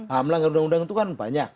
hak melanggar undang undang itu kan banyak